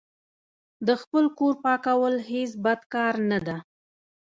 د خپل کور پاکول هیڅ بد کار نه ده.